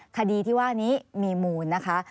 คดีที่ว่านี้มีมูลนะคะ